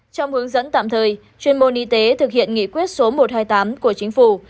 trong hướng dẫn tạm thời chuyên môn y tế thực hiện nghị quyết số một trăm hai mươi tám của chính phủ